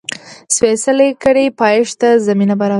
سپېڅلې کړۍ پایښت ته زمینه برابروي.